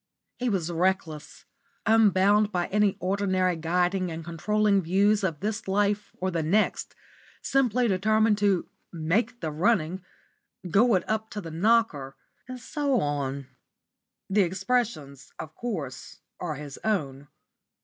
He was reckless, unbound by any ordinary guiding and controlling views of this life or the next, simply determined to "make the running," "go it up to the knocker," and so on. The expressions, of course, are his own.